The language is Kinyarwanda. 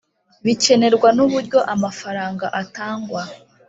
Bikenerwa N Uburyo Amafaranga Atangwa